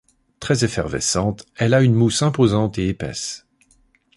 Très effervescente, elle a une mousse imposante et épaisse.